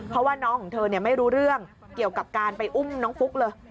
เพราะว่าน้องของเธอไม่รู้เรื่องเกี่ยวกับการไปอุ้มน้องฟุ๊กเลย